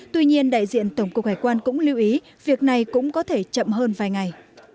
tuy nhiên đại diện tổng cục hải quan cũng lưu ý việc này cũng có thể chậm hơn vài ngày